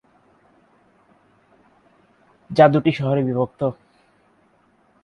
যা দুইটি শহরে বিভক্ত।